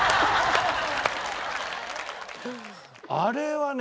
あれはね。